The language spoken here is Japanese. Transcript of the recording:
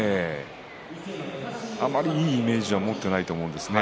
ええ、あまりいいイメージは持っていないと思うんですね。